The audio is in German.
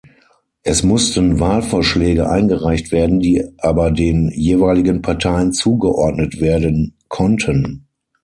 Es mussten Wahlvorschläge eingereicht werden, die aber den jeweiligen Parteien zugeordnet werden konnten.